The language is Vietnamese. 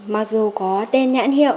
mặc dù có tên nhãn hiệu